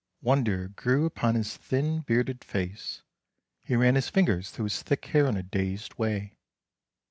Wonder grew upon his thin, bearded face, he ran his fingers through his thick hair in a dazed way.